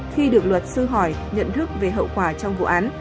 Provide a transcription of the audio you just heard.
khi được luật sư hỏi nhận thức về hậu quả trong vụ án